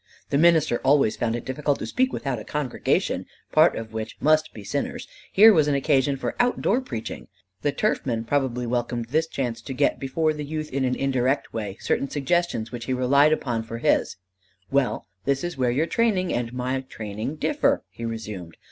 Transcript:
The minister always found it difficult to speak without a congregation part of which must be sinners: here was an occasion for outdoor preaching. The turfman probably welcomed this chance to get before the youth in an indirect way certain suggestions which he relied upon for his: "Well, that is where your training and my training differ," he resumed.